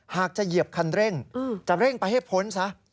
หากจะเหยียบคันเร่งจะเร่งไปให้พ้นซะ